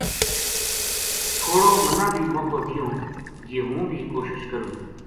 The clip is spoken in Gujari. تھوڑو منا بی موقعو دیوں جی ہوں بھی کوشش کروں‘‘